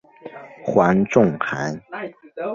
黄仲涵。